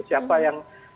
siapa yang berhasil